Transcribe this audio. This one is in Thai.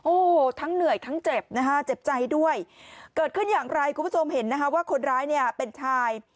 โอ้โหทั้งเหนื่อยทั้งเจ็บนะฮะเจ็บใจด้วยเกิดขึ้นอย่างไรคุณผู้ชมเห็นนะคะว่าคนร้ายเนี่ยเป็นชาย